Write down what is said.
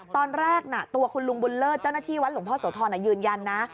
ตอนแรกตัวคุณลุงบุญเลิศเจ้าหน้าที่วัดหลวงพ่อโสธรยืนยันนะ